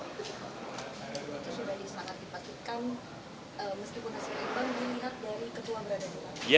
itu sudah disangatipatikan meskipun hasil imbang dilihat dari ketua berada di luar